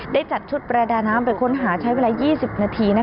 ได้จัดชุดประดาน้ำไปค้นหาใช้เวลา๒๐นาที